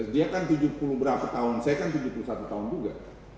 dia kan tujuh puluh berapa tahun saya kan tujuh puluh satu tahun juga